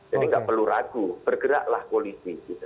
jadi tidak perlu ragu bergeraklah polisi